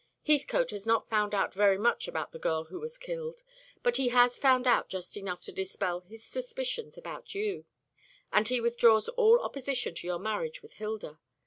Heathcote has not found out very much about the girl who was killed; but he has found out just enough to dispel his suspicions about you, and he withdraws all opposition to your marriage with Hilda.